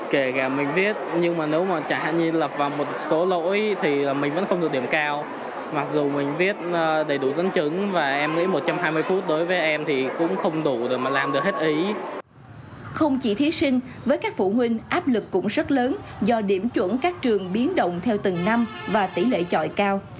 không chỉ thí sinh với các phụ huynh áp lực cũng rất lớn do điểm chuẩn các trường biến động theo từng năm và tỷ lệ chọi cao